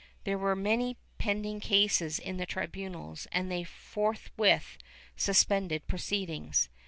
There were many pending cases in the tribunals and they forth with suspended proceedings.